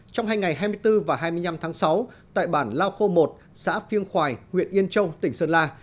trong hai ngày hai mươi bốn và hai mươi năm tháng sáu tại bản lao khô một xã phiêng khoài huyện yên châu tỉnh sơn la